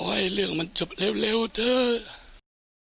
ให้เรื่องมันจบเร็วเถอะ